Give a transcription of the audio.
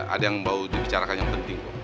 ada yang mau dibicarakan yang penting kok